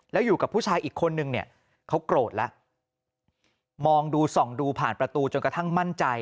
แล้วอยู่กับผู้ชายอีกคนนึงเนี่ยเขาโกรธแล้วมองดูส่องดูผ่านประตูจนกระทั่งมั่นใจ